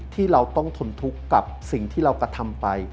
ที่เราต้องทนทุกข์กับสิ่งที่เรากระทำไป